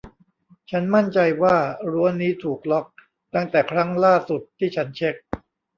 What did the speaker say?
ฉันมั่นใจว่ารั้วนี้ถูกล็อคตั้งแต่ครั้งล่าสุดที่ฉันเช็ค